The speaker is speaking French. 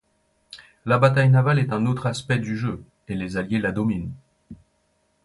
La bataille navale est un autre aspect du jeu, et les Alliés la dominent.